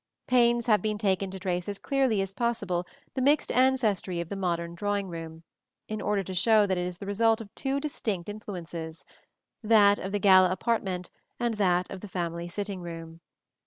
Pains have been taken to trace as clearly as possible the mixed ancestry of the modern drawing room, in order to show that it is the result of two distinct influences that of the gala apartment and that of the family sitting room.